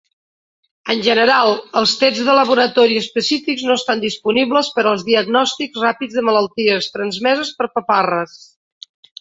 En general, els tests de laboratori específics no estan disponibles per als diagnòstics ràpids de malalties transmeses per paparres.